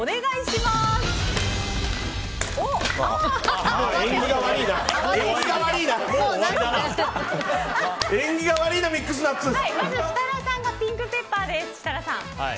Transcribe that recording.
まず設楽さんがピンクペッパーです。